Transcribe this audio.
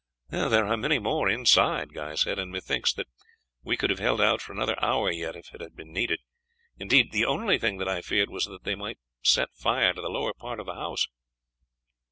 "There are many more inside," Guy said, "and methinks that we could have held out for another hour yet if it had been needed. Indeed, the only thing that I feared was that they might set fire to the lower part of the house."